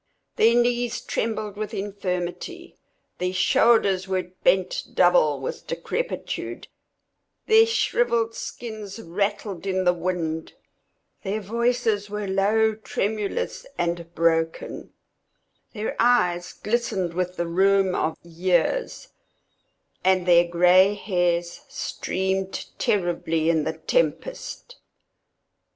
Their knees trembled with infirmity; their shoulders were bent double with decrepitude; their shrivelled skins rattled in the wind; their voices were low, tremulous and broken; their eyes glistened with the rheum of years; and their gray hairs streamed terribly in the tempest.